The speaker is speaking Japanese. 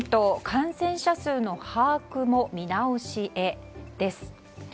感染者数の把握も見直しへ、です。